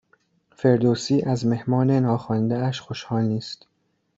فردوسی از مهمان ناخوانده اش خوشحال نیست